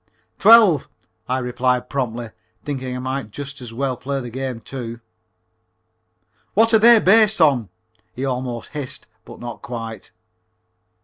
"Twelve," I replied promptly, thinking I might just as well play the game, too. "What are they based on?" he almost hissed, but not quite.